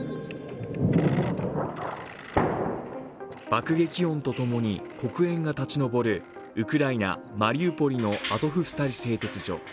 爆撃音とともに黒煙が立ち上るウクライナ・マリウポリのアゾフスタリ製鉄所。